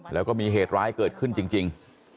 แล้วก็มีเหตุร้ายเกิดขึ้นจริง